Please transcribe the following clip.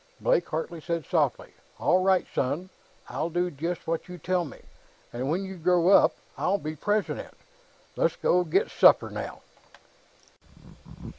Blake Hartley said softly. "All right, son; I'll do just what you tell me, and when you grow up, I'll be president.... Let's go get supper, now."